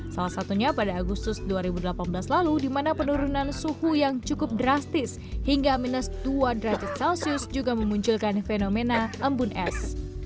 salah satunya pada agustus dua ribu delapan belas lalu di mana penurunan suhu yang cukup drastis hingga minus dua derajat celcius juga memunculkan fenomena embun es